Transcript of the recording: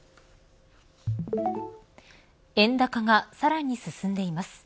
円高が、さらに進んでいます。